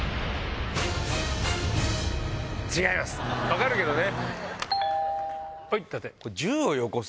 分かるけどね。